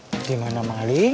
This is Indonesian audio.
tadi kayaknya ada yang lari deh